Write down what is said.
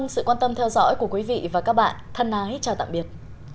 xin chào tạm biệt